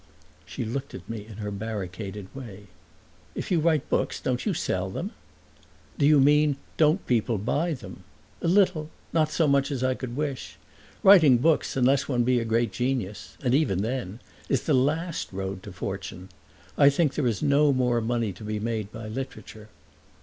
She looked at me in her barricaded way. "If you write books don't you sell them?" "Do you mean don't people buy them? A little not so much as I could wish. Writing books, unless one be a great genius and even then! is the last road to fortune. I think there is no more money to be made by literature."